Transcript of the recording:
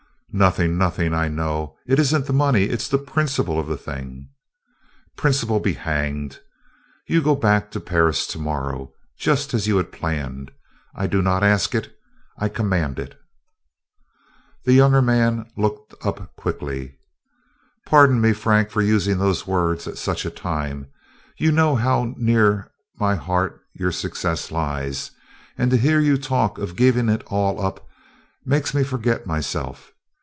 "Nothing, nothing, I know. It is n't the money, it 's the principle of the thing." "Principle be hanged! You go back to Paris to morrow, just as you had planned. I do not ask it, I command it." The younger man looked up quickly. "Pardon me, Frank, for using those words and at such a time. You know how near my heart your success lies, and to hear you talk of giving it all up makes me forget myself.